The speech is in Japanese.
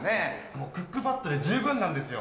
もうクックパッドで十分なんですよ。